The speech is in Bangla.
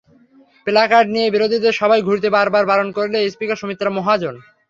প্ল্যাকার্ড নিয়ে বিরোধীদের সভায় ঘুরতে বারবার বারণ করেন স্পিকার সুমিত্রা মহাজন।